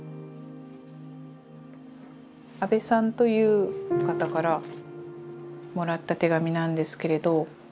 阿部さんという方からもらった手紙なんですけれど。